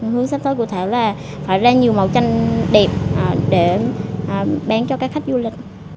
hướng sắp tới của thảo là phải ra nhiều màu tranh đẹp để bán cho các khách du lịch